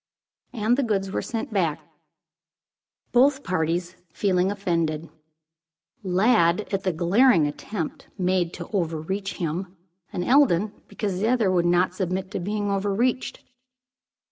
And the goods were sent back, both parties feeling offended; Lladd at the glaring attempt made to overreach him, and Eldon because the other would not submit to be overreached.